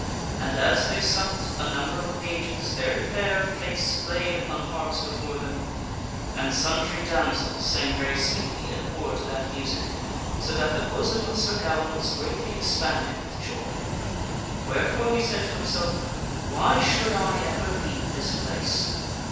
And as they supped, a number of pages, very fair of face, played upon harps before them ; and sundry and tk" damsels sang very sweetly in accord to that music, so that the J ady Ettard bosom of Sir Gawaine was greatly expanded with joy. Where fore he said to himself, "Why should I ever leave this place?